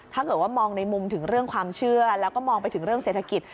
ถ้าเกิดว่ามองในมุมถึงเรื่องความเชื่อแล้วก็มองไปถึงเรื่องเศรษฐกิจ